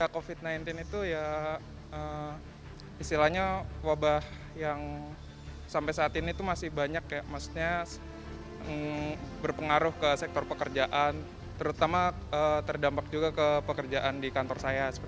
covid sembilan belas itu ya istilahnya wabah yang sampai saat ini tuh masih banyak maksudnya berpengaruh ke sektor pekerjaan terutama terdampak juga ke pekerjaan di kantor saya